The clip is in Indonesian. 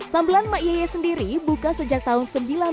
sambelan mak yeye sendiri buka sejak tahun seribu sembilan ratus delapan puluh dua